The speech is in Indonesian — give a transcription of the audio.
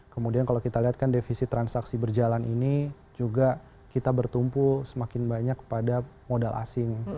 kemudian kalau kita lihat kan defisit transaksi berjalan ini juga kita bertumpu semakin banyak pada modal asing